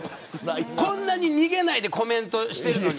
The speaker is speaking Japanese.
こんなに逃げないでコメントしてるのに。